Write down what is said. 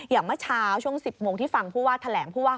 เมื่อเช้าช่วง๑๐โมงที่ฟังผู้ว่าแถลงผู้ว่า